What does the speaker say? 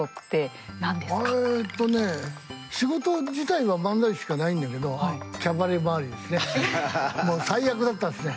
えっとね仕事自体は漫才しかないんだけどもう最悪だったですね。